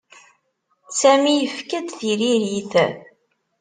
Sami yefka-d tiririt.